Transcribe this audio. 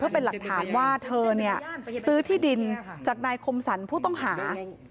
เป็นหลักฐานว่าเธอเนี่ยซื้อที่ดินจากนายคมสรรผู้ต้องหา